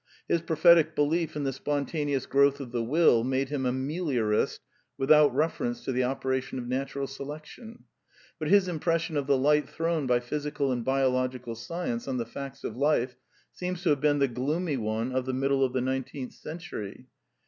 His prophetic belief in the spontaneous growth of the will made him a meliorist without reference to the operation of Natural Selection; but his impression of the light thrown by physical and biological science on the facts of life seems to have been the gloomy one of the middle of the nineteenth century.